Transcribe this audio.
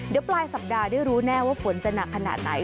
เดี๋ยวปลายสัปดาห์ได้รู้แน่ว่าฝนจะหนักขนาดไหน